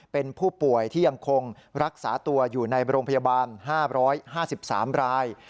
เป็นผู้ป่วยที่ยังคงรักษาตัวอยู่ในโรงพยาบาล๕๕๓ราย